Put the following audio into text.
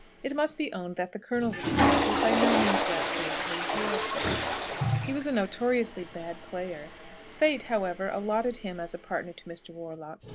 It must be owned that the colonel's appearance was by no means rapturously hailed there. He was a notoriously bad player. Fate, however, allotted him as a partner to Mr. Warlock.